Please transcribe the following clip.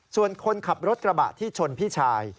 ส่วนคนขับรถกระบะที่ชนพี่ชาย